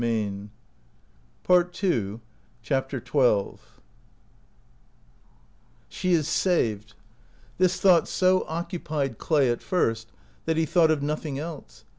She is saved " 160 CHAPTER XII SHE is saved! This thought so occupied Clay at first that he thought of nothing else.